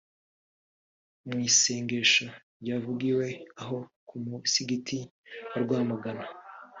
Mu isengesho ryavugiwe aho ku musigiti wa Rwamagana